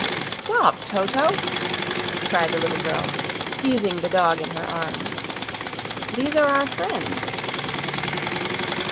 "Stop, Toto!" cried the little girl, seizing the dog in her arms. "These are our friends."